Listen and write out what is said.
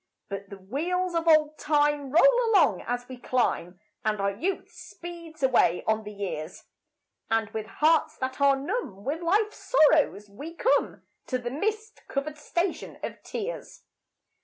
But the wheels of old Time roll along as we climb, And our youth speeds away on the years; And with hearts that are numb with life's sorrows we come To the mist covered Station of Tears.